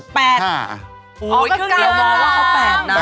อ๋อก็กลาง